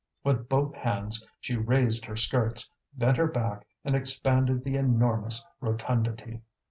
With both hands she raised her skirts, bent her back, and expanded the enormous rotundity.